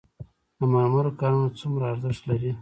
د مرمرو کانونه څومره ارزښت لري؟